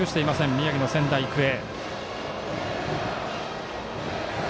宮城の仙台育英。